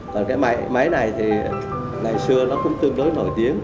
còn cái máy này thì ngày xưa nó cũng tương đối nổi tiếng